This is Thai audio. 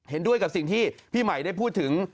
เห็นด้วยกับสิ่งที่พี่ใหม่ได้พูดถึง